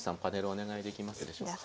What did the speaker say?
お願いできますでしょうか。